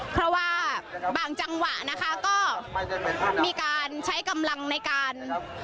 เพราะว่าบางจังหวะนะคะก็มีการใช้กำลังในการ